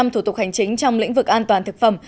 thủ tục hành chính trong lĩnh vực an toàn thực phẩm